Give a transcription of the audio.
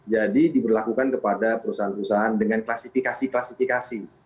diberlakukan kepada perusahaan perusahaan dengan klasifikasi klasifikasi